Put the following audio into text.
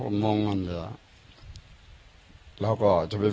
แล้วก็บอกเอ้อมันอยู่อย่างกันแล้วก็เอาวิธี